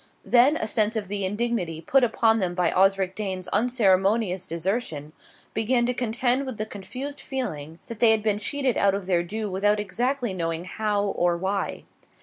Then a sense of the indignity put upon them by Osric Dane's unceremonious desertion began to contend with the confused feeling that they had been cheated out of their due without exactly knowing how or why.